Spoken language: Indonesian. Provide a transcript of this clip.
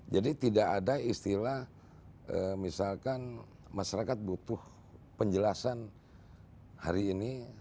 jadi tidak ada istilah misalkan masyarakat butuh penjelasan hari ini